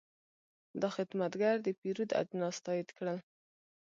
دا خدمتګر د پیرود اجناس تایید کړل.